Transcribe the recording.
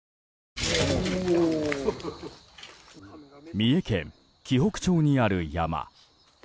三重県紀北町にある山。